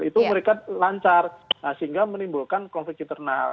itu mereka lancar sehingga menimbulkan konflik internal